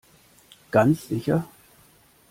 Ganz sicher.